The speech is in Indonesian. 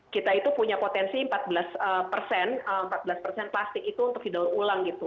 kita itu punya potensi empat belas persen plastik itu untuk didaur ulang gitu